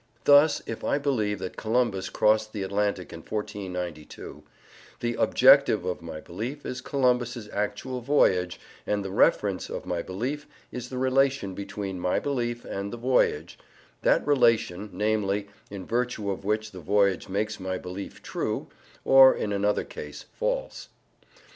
Thus, if I believe that Columbus crossed the Atlantic in 1492, the "objective" of my belief is Columbus's actual voyage, and the "reference" of my belief is the relation between my belief and the voyage that relation, namely, in virtue of which the voyage makes my belief true (or, in another case, false).